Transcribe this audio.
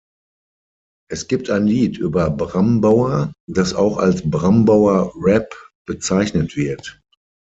Es gibt ein Lied über Brambauer, das auch als "Brambauer Rap" bezeichnet wird.